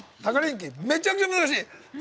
めちゃくちゃ難しい。